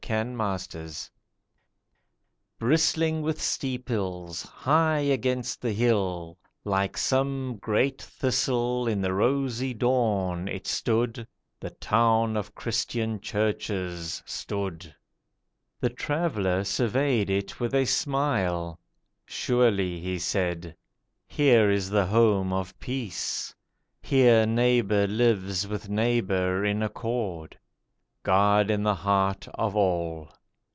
THE TRAVELLER BRISTLING with steeples, high against the hill, Like some great thistle in the rosy dawn It stood; the Town of Christian Churches, stood. The Traveller surveyed it with a smile. 'Surely,' He said, 'here is the home of peace; Here neighbour lives with neighbour in accord; God in the heart of all.